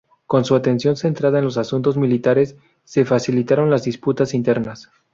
Con su atención centrada en los asuntos militares, se facilitaron las disputas internas.